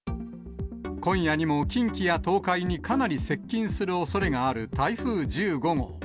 今夜にも近畿や東海にかなり接近するおそれがある台風１５号。